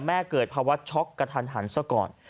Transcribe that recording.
แม่เกิดภาวะช็อกกระทันซะก่อน